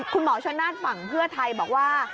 คุณหมอชนน่านฝั่งเพื่อไทยบอกว่า